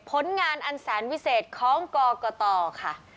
ผลงานอันแสนวิเศษของกรกตค่ะ